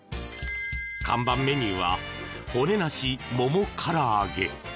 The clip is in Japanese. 看板メニューは骨なしモモからあげ。